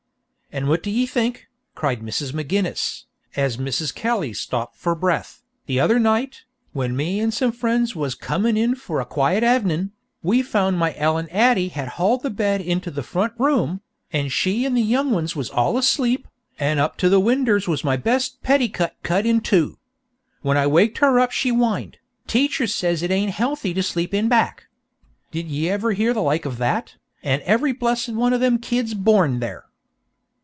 "And what do ye think," cried Mrs. McGinniss, as Mrs. Kelly stopped for breath, "the other night, when me an' some frinds was comin' in for a quiet avenin', we found my Ellen Addy had hauled the bed into the front room, an' she an' the young ones was all asleep, an' up to the winders was my best petticut cut in two. When I waked her up she whined, 'Teacher says it ain't healthy to sleep in back.' Did ye ever hear the like of that? an' every blessed one of them kids born there!"